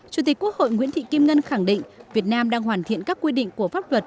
chủ tịch quốc hội nguyễn thị kim ngân khẳng định việt nam đang hoàn thiện các quy định của pháp luật